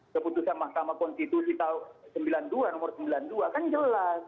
keputusan mahkamah konstitusi tahun sembilan puluh dua nomor sembilan puluh dua kan jelas